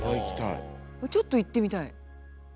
ちょっと行ってみたい。